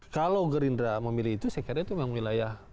kalau gerindra memilih itu saya kira itu memang wilayah